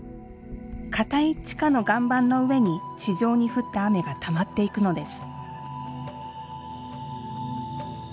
固い地下の岩盤の上に地上に降った雨がたまっていくのです。